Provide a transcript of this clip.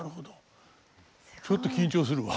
ちょっと緊張するわ。